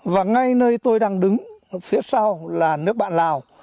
và ngay nơi tôi đang đứng phía sau là nước bạn lào